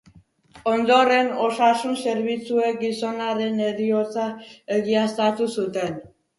Ondoren, osasun zerbitzuek gizonaren heriotza egiaztatu zuten.